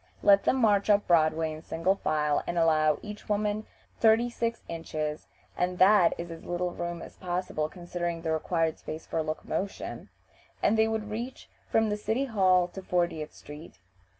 Let them march up Broadway in single file, and allow each woman thirty six inches (and that is as little room as possible, considering the required space for locomotion), and they would reach from the City Hall to Fortieth Street.